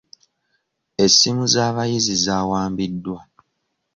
Essimu z'abayizi zaawambiddwa.